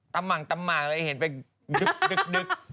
ตำหมากเลยเห็นไปดึก